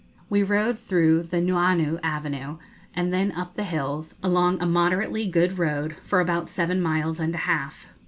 We rode through the Nuuanu Avenue, and then up the hills, along a moderately good road, for about seven miles and a half.